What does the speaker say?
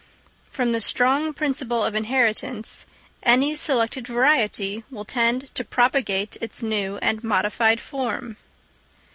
From the strong principle of inheritance, any selected variety will tend to propagate its new and modified form.